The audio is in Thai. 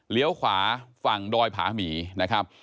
เลี้ยวขวาฝั่งดอยผามีนะครับ